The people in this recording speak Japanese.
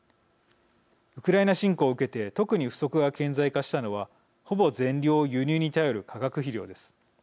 ウクライナ侵攻を受けて特に不足が顕在化したのはほぼ全量を輸入に頼る化学肥料です。